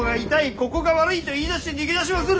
ここが悪いと言いだして逃げ出しまする。